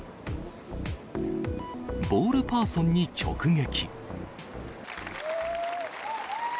ボールパーソンに直撃。